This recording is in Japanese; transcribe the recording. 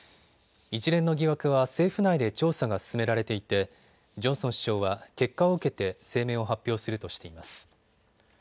一連の疑惑は政府内で調査が進められていてジョンソン首相は結果を受けて声明を発表するとしています。